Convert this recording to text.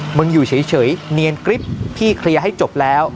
มึงอยู่เฉยเฉยเนียนกริปที่เคลียร์ให้จบแล้ว